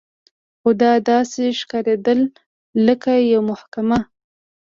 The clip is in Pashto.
خو دا داسې ښکارېدل لکه یوه محکمه.